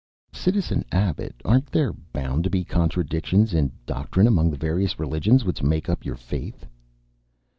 "Citizen Abbot, aren't there bound to be contradictions in doctrine among the various religions which make up your faith?"